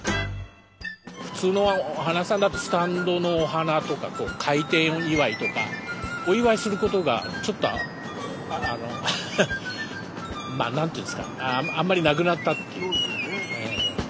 普通のお花屋さんだとスタンドのお花とか開店祝とかお祝いすることがちょっとあの何て言うんですかあんまりなくなったっていうか。